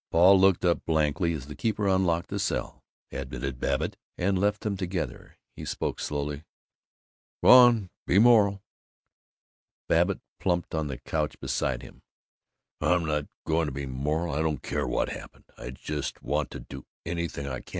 Paul looked up blankly as the keeper unlocked the cell, admitted Babbitt, and left them together. He spoke slowly: "Go on! Be moral!" Babbitt plumped on the couch beside him. "I'm not going to be moral! I don't care what happened! I just want to do anything I can.